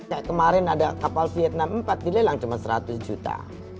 kayak kemarin ada kapal vietnam empat dilelang cuma seratus juta